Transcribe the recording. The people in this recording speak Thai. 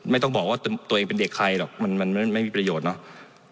ไม่ต้องบอกว่าตัวเองเป็นเด็กใครหรอกมันไม่มีประโยชน์เนาะ